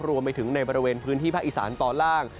รวมไปถึงในบริเวณพื้นที่ภาคอีสานตอนล่าง